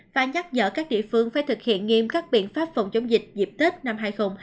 và nhắc nhở các địa phương phải thực hiện nghiêm các biện pháp phòng chống dịch dịp tết năm hai nghìn hai mươi